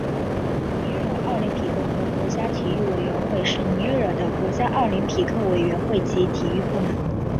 尼日尔奥林匹克和国家体育委员会是尼日尔的国家奥林匹克委员会及体育部门。